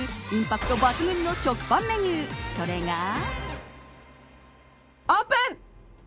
インパクト抜群の食パンメニューそれが。